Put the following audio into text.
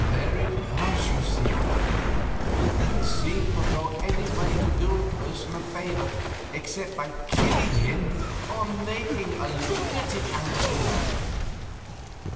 There it was, you see. He didn't seem to know any way to do a person a favor except by killing him or making a lunatic out of him.